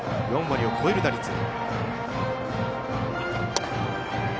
４割を超える打率。